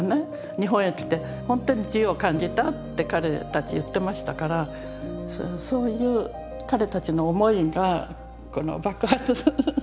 「日本へ来てほんとに自由を感じた」って彼たち言ってましたからそういう彼たちの思いがこの爆発する。